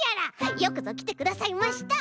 よくぞきてくださいました！